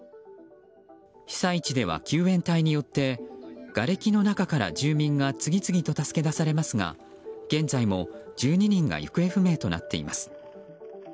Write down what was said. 被災地では救援隊によってがれきの中から住民が次々と助け出されますが現在も１２人が行方不明となっています。